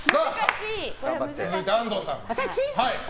続いて、安藤さん。